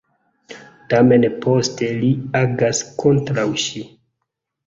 Tamen poste li agas kontraŭ ŝi.